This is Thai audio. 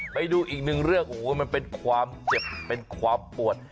ไปดูอีกหนึ่งเรื่องโอ้โหมันเป็นความเจ็บเป็นความปวด